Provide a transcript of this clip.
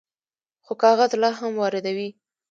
خو کاغذ لا هم واردوي.